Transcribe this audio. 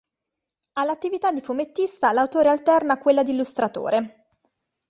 All’attività di fumettista l’autore alterna quella di illustratore.